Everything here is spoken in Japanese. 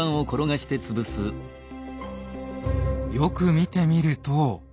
よく見てみると。